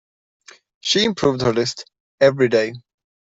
She improved her list every day.